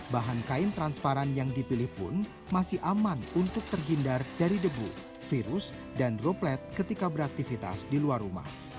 bahan kain transparan yang dipilih pun masih aman untuk terhindar dari debu virus dan droplet ketika beraktivitas di luar rumah